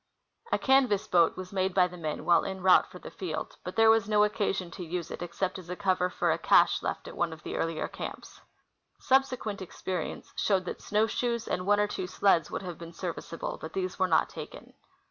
A canvas boat was made by the men while en route for the field, but there was no occasion to <use it, except as a cover for a cache left at one of the earlier camps. Subsequent experience showed that snow shoes and one or two sleds would have been serviceable ; but these were not taken.